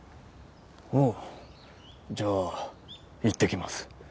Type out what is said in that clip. おうじゃあ行ってきます